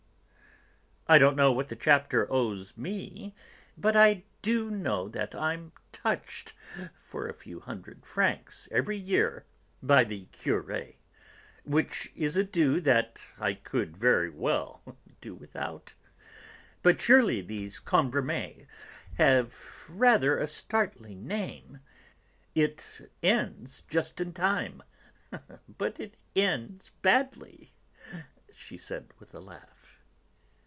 "I don't know what the Chapter owes me, but I do know that I'm 'touched' for a hundred francs, every year, by the Curé, which is a due that I could very well do without. But surely these Cambremers have rather a startling name. It ends just in time, but it ends badly!" she said with a laugh.